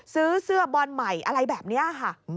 ซื้อเสื้อบอลใหม่อะไรแบบนี้ค่ะ